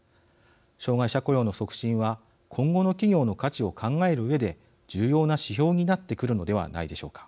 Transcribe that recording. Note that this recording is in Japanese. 障害者雇用の促進は今後の企業の価値を考えるうえで重要な指標になってくるのではないでしょうか。